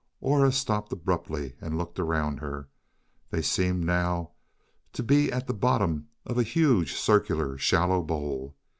Aura stopped abruptly and looked around her. They seemed now to be at the bottom of a huge, circular, shallow bowl.